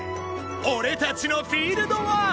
俺たちのフィールドを！